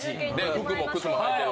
服も靴も履いてる。